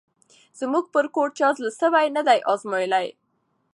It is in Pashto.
زموږ پر کور چا زړه سوی نه دی آزمییلی